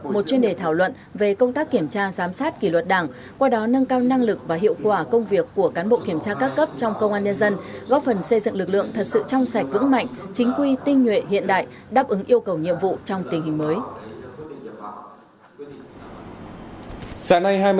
một chuyên đề thảo luận về công tác kiểm tra giám sát kỷ luật đảng qua đó nâng cao năng lực và hiệu quả công việc của cán bộ kiểm tra các cấp trong công an nhân dân góp phần xây dựng lực lượng thật sự trong sạch vững mạnh chính quy tinh nhuệ hiện đại đáp ứng yêu cầu nhiệm vụ trong tình hình mới